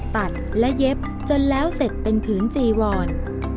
ตัดและเย็บจนแล้วเสร็จเป็นผืนจีวร